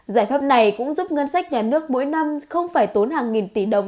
giải pháp này cũng giúp ngân sách nhà nước mỗi năm không phải tốn hàng nghìn tỷ đồng